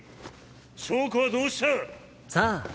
硝子はどうした？さあ？